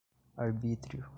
arbítrio